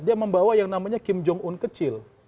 dia membawa yang namanya kim jong un kecil